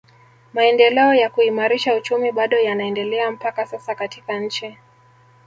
Maendeleo ya kuimarisha uchumi bado yanaendelea mpaka sasa katika nchi